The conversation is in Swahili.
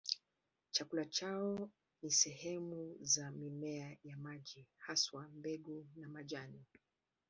Chakula chao ni sehemu za mimea ya maji, haswa mbegu na majani.